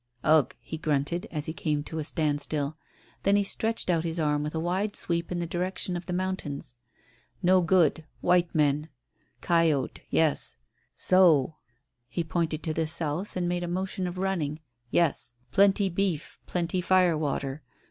"Ugh," he grunted, as he came to a standstill. Then he stretched out his arm with a wide sweep in the direction of the mountains. "No good, white men coyote, yes. So," and he pointed to the south and made a motion of running, "yes. Plenty beef, plenty fire water.